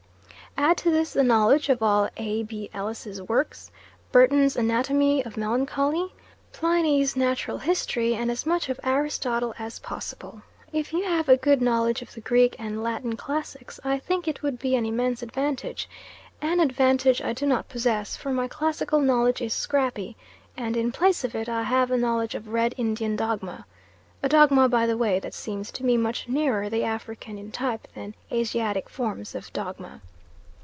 Add to this the knowledge of all A. B. Ellis's works; Burton's Anatomy of Melancholy; Pliny's Natural History; and as much of Aristotle as possible. If you have a good knowledge of the Greek and Latin classics, I think it would be an immense advantage; an advantage I do not possess, for my classical knowledge is scrappy, and in place of it I have a knowledge of Red Indian dogma: a dogma by the way that seems to me much nearer the African in type than Asiatic forms of dogma.